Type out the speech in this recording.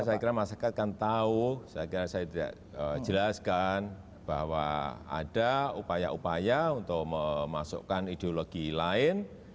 saya kira masyarakat kan tahu saya kira saya tidak jelaskan bahwa ada upaya upaya untuk memasukkan ideologi lain